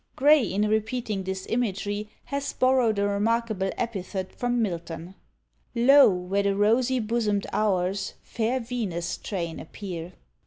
Gray, in repeating this imagery, has borrowed a remarkable epithet from Milton: Lo, where the rosy bosom'd hours, Fair Venus' train, appear.